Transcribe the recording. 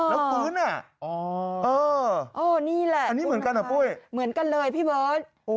แล้วปื้นน่ะอันนี้เหมือนกันหรอปุ้ยอ๋อนี่แหละเหมือนกันเลยพี่เบิร์ด